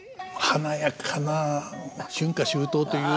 華やかな「春夏秋冬」という。